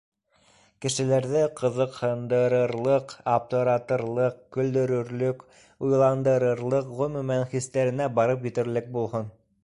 Кешеләрҙе ҡыҙыҡһындырырлыҡ, аптыратырлыҡ, көлдөрөрлөк, уйландырырлыҡ, ғөмүмән, хистәренә барып етерлек булһын.